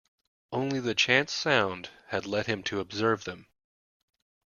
Only the chance sound had led him to observe them.